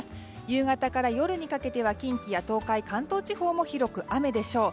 夕方から夜にかけて近畿や東海、関東地方は広く雨でしょう。